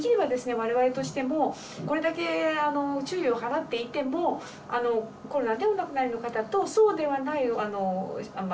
我々としてもこれだけあの注意を払っていてもコロナでお亡くなりの方とそうではないお亡くなりの方をですね